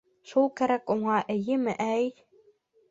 Шул кәрәк уға, эйеме, әй?..